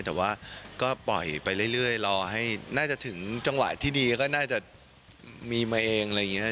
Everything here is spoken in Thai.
แต่ว่าก็ปล่อยไปเรื่อยรอให้น่าจะถึงจังหวะที่ดีก็น่าจะมีมาเองอะไรอย่างนี้